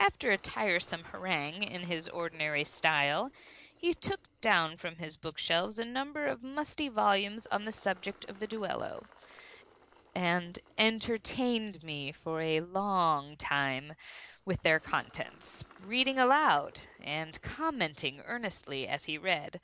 After a tiresome harangue in his ordinary style, he took down from his book shelves a number of musty volumes on the subject of the duello, and entertained me for a long time with their contents; reading aloud, and commenting earnestly as he read.